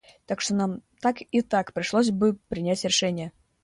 Так что нам так и так пришлось бы принять решение.